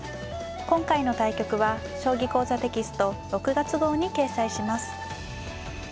今回の対局は「将棋講座」テキスト６月号に掲載します。